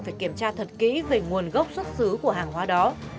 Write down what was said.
phải kiểm tra thật kỹ về nguồn gốc xuất xứ của hàng hóa đó